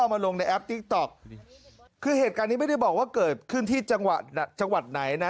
มันก็บอกว่าเกิดขึ้นที่จังหวัดไหนนะ